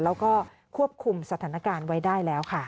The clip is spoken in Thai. แล้วก็ควบคุมสถานการณ์ไว้ได้แล้วค่ะ